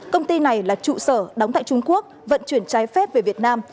công ty này là trụ sở đóng tại trung quốc vận chuyển trái phép về việt nam